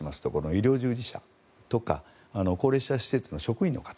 医療従事者とか高齢者施設の職員の方